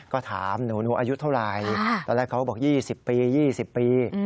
ก็ถามหนูอายุเท่าไหร่ตอนแรกเขาบอก๒๐ปี๒๐ปี